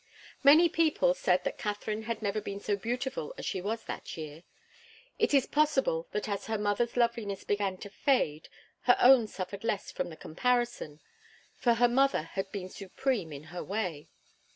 Many people said that Katharine had never been so beautiful as she was that year. It is possible that as her mother's loveliness began to fade, her own suffered less from the comparison, for her mother had been supreme in her way.